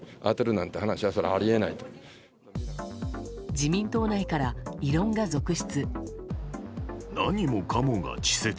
自民党内から異論が続出。